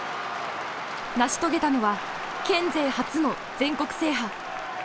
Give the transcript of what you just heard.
成し遂げたのは県勢初の全国制覇。